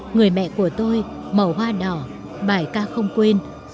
người mẹ của tôi màu hoa đỏ bài ca không quên